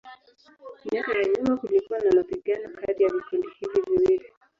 Miaka ya nyuma kulikuwa na mapigano kati ya vikundi hivi viwili.